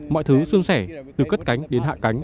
mọi thứ xuân sẻ từ cất cánh đến hạ cánh